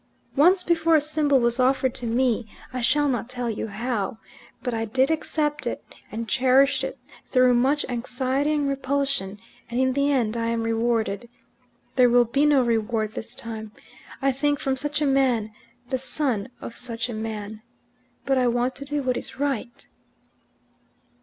Once before a symbol was offered to me I shall not tell you how; but I did accept it, and cherished it through much anxiety and repulsion, and in the end I am rewarded. There will be no reward this time. I think, from such a man the son of such a man. But I want to do what is right."